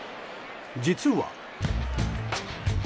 実は。